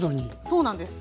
そうなんです。